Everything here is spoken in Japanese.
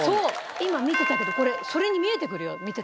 今見てたけどこれそれに見えてくるよ見てて。